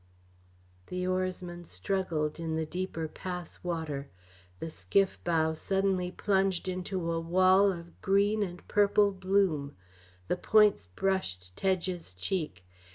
The oarsman struggled in the deeper pass water. The skiff bow suddenly plunged into a wall of green and purple bloom. The points brushed Tedge's cheek.